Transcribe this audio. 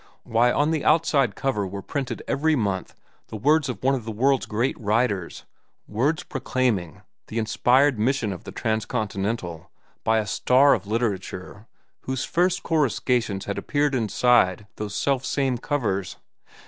Why, on the outside cover were printed every month the words of one of the world's great writers, words proclaiming the inspired mission of the Transcontinental by a star of literature whose first coruscations had appeared inside those self same covers.